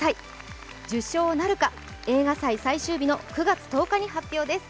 受賞なるか、映画祭最終日の９月１０日に発表です。